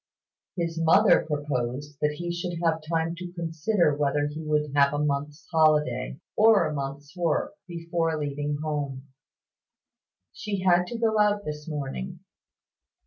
His mother proposed that he should have time to consider whether he would have a month's holiday or a month's work, before leaving home. She had to go out this morning.